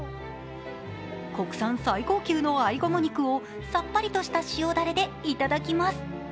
国産最高級のあいがも肉をさっぱりとした塩だれでいただきます。